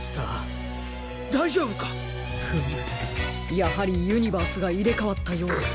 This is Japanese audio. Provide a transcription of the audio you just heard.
やはりユニバースがいれかわったようです。